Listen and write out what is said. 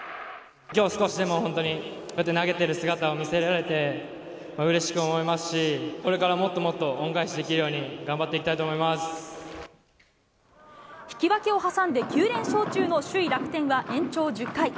きょう、少しでも本当に、こうやって投げてる姿を見せられて、うれしく思いますし、これからもっともっと恩返しできるように頑張っていきたいと思い引き分けを挟んで９連勝中の首位楽天は、延長１０回。